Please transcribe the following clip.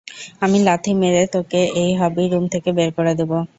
আমি লাথি মেরে তোমাকে এই হবি রুম থেকে বের করে দেবো!